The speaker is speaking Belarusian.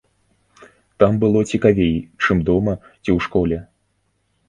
Там было цікавей, чым дома ці ў школе.